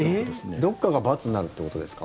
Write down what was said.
どっかが×になるってことですか？